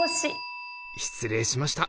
失礼しました